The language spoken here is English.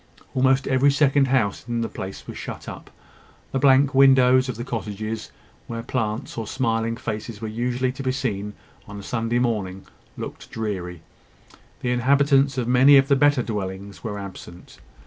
Almost every second house in the place was shut up. The blank windows of the cottages, where plants or smiling faces were usually to be seen on a Sunday morning, looked dreary. The inhabitants of many of the better dwellings were absent.